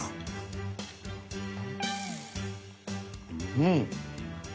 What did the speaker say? うん！